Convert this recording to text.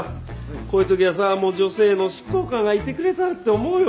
こういう時はさ女性の執行官がいてくれたらって思うよ。